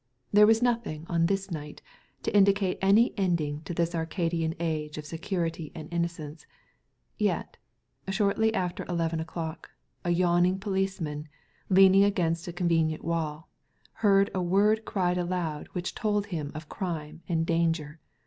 There was nothing on this night to indicate any ending to this Arcadian Age of security and innocence ; yet^ shortly after eleven o'clock a yawning policeman, leaning against a convenient wall, heard a word cried aloud which told him of crime and danger.